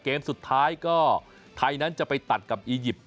เกมสุดท้ายก็ไทยนั้นจะไปตัดกับอียิปต์